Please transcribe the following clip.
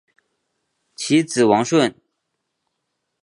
其子王舜。